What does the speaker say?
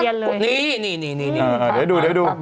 ยังไงเนี่ย